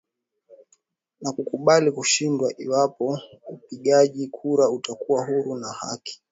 Na kukubali kushindwa iwapo upigaji kura utakuwa huru na wa haki.